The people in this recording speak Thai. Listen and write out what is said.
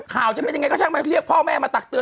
ข่าวจะเป็นอย่างไรก็ชั้นก็เรียกพ่อแม่มาตักเตือน